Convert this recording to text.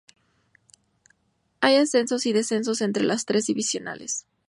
Hay ascensos y descensos entre las tres divisionales.